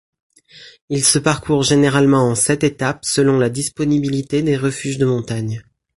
Il se parcourt généralement en sept étapes selon la disponibilité des refuges de montagne.